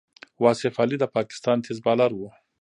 واصف علي د پاکستان تېز بالر وو.